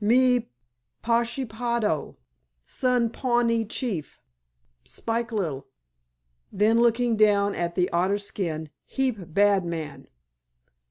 "Me Pashepaho. Son Pawnee chief. Spik li'le." Then looking down at the otter skin—"Heap bad man."